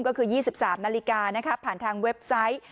ก็คือ๒๓นาฬิกาผ่านทางเว็บไซต์